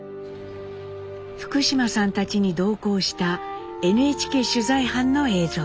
福島さんたちに同行したＮＨＫ取材班の映像です。